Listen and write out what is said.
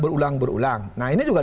berulang berulang nah ini juga